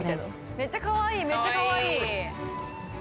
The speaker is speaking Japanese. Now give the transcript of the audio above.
めちゃかわいいめちゃかわいい。